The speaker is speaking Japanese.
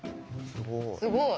すごい。